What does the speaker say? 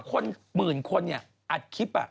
คนหมื่นคนเนี่ยอัดคลิป